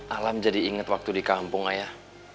alam jadi inget waktu di kampung ayah